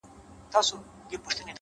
• تور قسمت په تا آرام نه دی لیدلی,